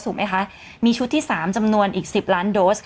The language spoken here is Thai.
หรือไม่คะมีชุดที่สามจำนวนอีกสิบล้านโด้สค่ะ